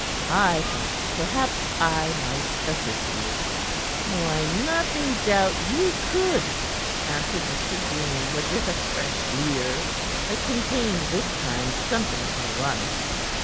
I thought perhaps I might assist you." "I nothing doubt you could," answered Mr. Green with a fresh leer, that contained this time something ironic.